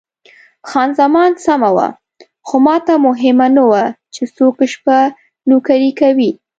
خان زمان سمه وه، خو ماته مهمه نه وه چې څوک شپه نوکري کوي.